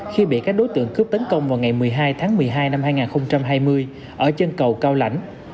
khi bị các đối tượng cướp tấn công vào ngày một mươi hai tháng một mươi hai năm hai nghìn hai mươi ở chân cầu cao lãnh